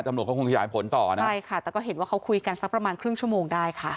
ตำรวจเขาคงขยายผลต่อนะใช่ค่ะแต่ก็เห็นว่าเขาคุยกันสักประมาณครึ่งชั่วโมงได้ค่ะ